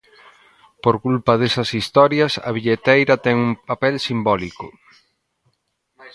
Por culpa desas historias, a billeteira ten un papel simbólico.